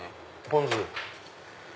ポン酢。